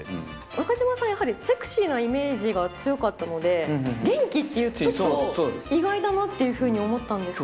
中島さん、やはりセクシーなイメージが強かったので、元気っていうと、ちょっと意外だなっていうふうに思ったんですけ